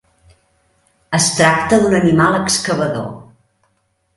Es tracta d'un animal excavador.